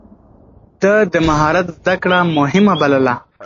ده د مهارت زده کړه مهمه بلله.